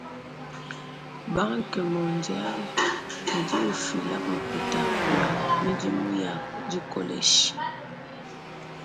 Banque mondiale udi ufila makuta bua midimu ya dikolesha.